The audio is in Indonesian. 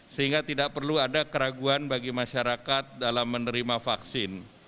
sehingga tidak perlu ada keraguan bagi masyarakat dalam menerima vaksin